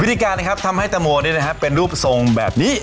วิธีการนะครับทำให้ตะโมนี่นะครับเป็นรูปทรงแบบนี้